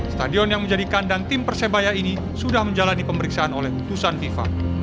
stadion yang menjadikan dan tim persebaya ini sudah menjalani pemeriksaan oleh keputusan fifa